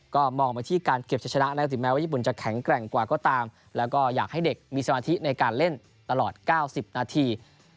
ก็มองไปที่การเก็บจะชนะนะครับถึงแม้ว่าญี่ปุ่นจะแข็งแกร่งกว่าก็ตามแล้วก็อยากให้เด็กมีสมาธิในการเล่นตลอด๙๐นาที